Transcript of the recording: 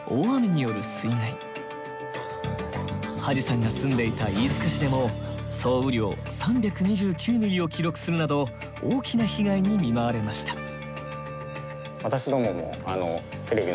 土師さんが住んでいた飯塚市でも総雨量３２９ミリを記録するなど大きな被害に見舞われました。